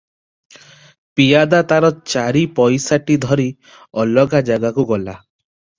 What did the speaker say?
ପିଆଦା ତାର ଚାରିପଇସାଟି ଧରି ଅଲଗା ଜାଗାକୁ ଗଲା ।